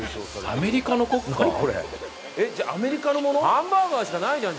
ハンバーガーしかないじゃん！